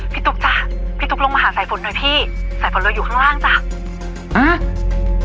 ตุ๊กจ้ะพี่ตุ๊กลงมาหาสายฝนหน่อยพี่สายฝนเรืออยู่ข้างล่างจ้ะ